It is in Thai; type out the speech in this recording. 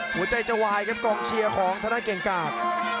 หัวใจจะวายครับกองเชียร์ของธนาค์เกรงกราศ